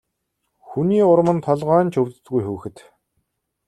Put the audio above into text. Хүний урманд толгой нь ч өвддөггүй хүүхэд.